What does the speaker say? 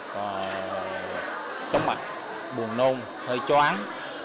có trống mặt buồn nôn hơi chóng